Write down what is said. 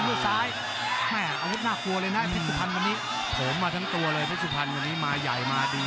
โผล่มาทั้งตัวเลยพฤศุพรรณวันนี้มาใหญ่มาดีเลย